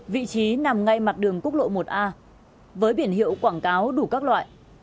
vị trí nằm ngay mặt đường quốc lộ một a với biển hiệu quảng cáo đủ các loại